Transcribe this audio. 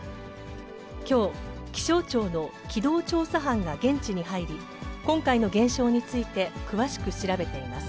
きょう、気象庁の機動調査班が現地に入り、今回の現象について詳しく調べています。